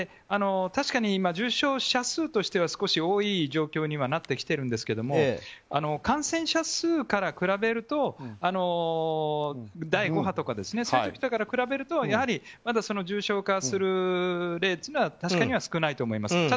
確かに、重症者数としては少し多い状況にはなってきているんですが感染者数から比べると第５波とかと比べるとまだ重症化する例というのは確かに少ないと思います。